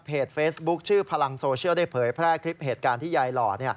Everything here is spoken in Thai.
เฟซบุ๊คชื่อพลังโซเชียลได้เผยแพร่คลิปเหตุการณ์ที่ยายหล่อ